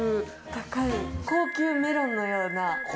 高級メロンのような？